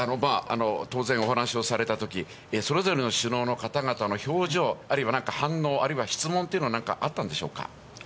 当然、お話をされたとき、それぞれの首脳の方々の表情、あるいはなんか反応、あるいは質問というのはなんかあったんでしょうか。